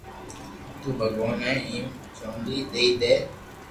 تو ڀگواناوني ھيم چونڌي دئي دي